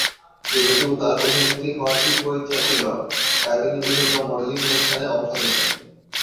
যেহেতু তার অভিনেত্রী হওয়ার তীব্র ইচ্ছা ছিল, তাই তিনি বিভিন্ন মডেলিং অনুষ্ঠানে অংশ নিতেন।